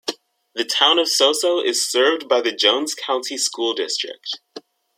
The Town of Soso is served by the Jones County School District.